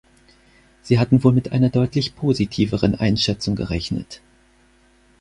Sie hatten wohl mit einer deutlich positiveren Einschätzung gerechnet.